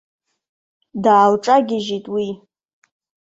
Даалҿагьежьит уи.